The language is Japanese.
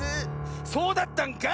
そうだったんかい！